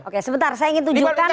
oke sebentar saya ingin tunjukkan